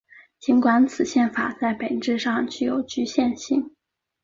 尽管此宪法在本质上具有局限性。